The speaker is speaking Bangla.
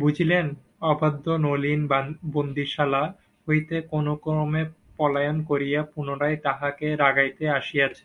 বুঝিলেন, অবাধ্য নলিন বন্দীশালা হইতে কোনোক্রমে পলায়ন করিয়া পুনরায় তাঁহাকে রাগাইতে আসিয়াছে।